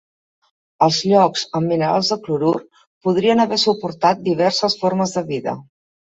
Els llocs amb minerals de clorur podrien haver suportat diverses formes de vida.